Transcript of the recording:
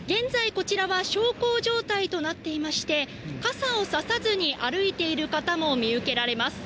現在こちらは小康状態となっていまして、傘を差さずに歩いている方も見受けられます。